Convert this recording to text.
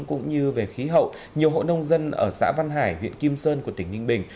cũng như về khí hậu nhiều hộ nông dân ở xã văn hải huyện kim sơn của tỉnh ninh bình